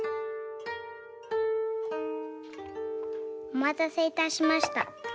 おまたせいたしました。